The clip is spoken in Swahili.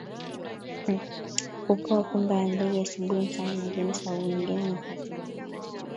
hupewa pombe ya mbege asubuhi mchana na jioniSababu nyingine ni kazi mama wa